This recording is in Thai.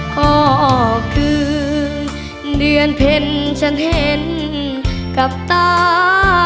ก็คือเดือนเพ็ญฉันเห็นกับตา